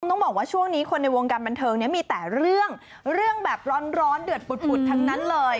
ต้องบอกว่าช่วงนี้คนในวงการบันเทิงเนี่ยมีแต่เรื่องเรื่องแบบร้อนเดือดปุดทั้งนั้นเลย